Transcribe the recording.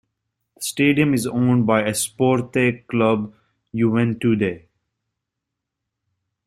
The stadium is owned by Esporte Clube Juventude.